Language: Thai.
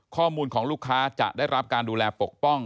ข้อมูลของลูกค้าจะได้รับการดูแลปกป้อง